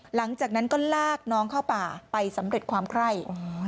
หลังจากนั้นก็ลากน้องเข้าป่าไปสำเร็จความไคร่